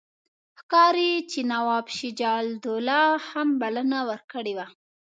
ښکاري چې نواب شجاع الدوله هم بلنه ورکړې وه.